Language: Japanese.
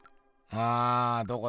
あどこだ？